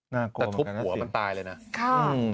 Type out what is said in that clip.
น่ากลัวมากนะสิค่ะ